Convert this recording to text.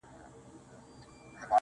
كله توري سي_